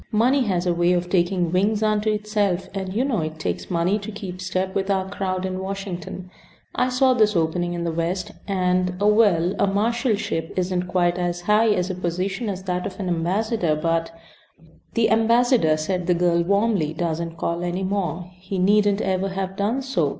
Money has a way of taking wings unto itself, and you know it takes money to keep step with our crowd in Washington. I saw this opening in the West, and well, a marshalship isn't quite as high a position as that of ambassador, but " "The ambassador," said the girl, warmly, "doesn't call any more. He needn't ever have done so.